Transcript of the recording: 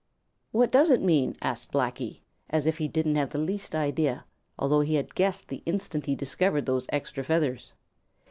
"What does it mean?" asked Blacky, just as if he didn't have the least idea, although he had guessed the instant he discovered those extra feathers.